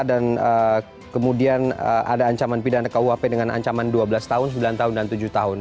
dan kemudian ada ancaman pidana kuhp dengan ancaman dua belas tahun sembilan tahun dan tujuh tahun